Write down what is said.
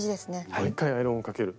もう１回アイロンをかける。